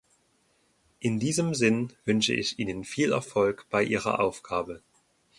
In diesem Sinn wünsche ich Ihnen viel Erfolg bei ihrer Aufgabe.